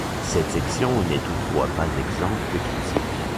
Cette section n'est toutefois pas exempte de critiques.